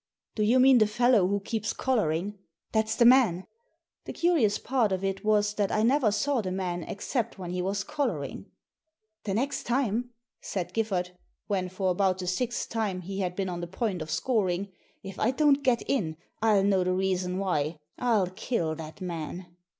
" Do you mean the fellow who keeps collaring." "That's the man I" The curious part of it was that I never saw the man except when he was collaring. " The next time," said Giffard, when, for about the sixth time, he had been on the point of scoring, " if I don't get in, I'll know the reason why. I'll kill that man."